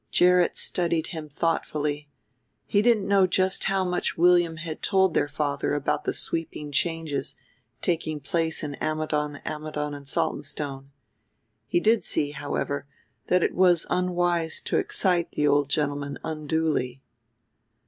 Gerrit studied him thoughtfully: he didn't know just how much William had yet told their father about the sweeping changes taking place in Ammidon, Ammidon and Saltonstone. He did see, however, that it was unwise to excite the old gentleman unduly.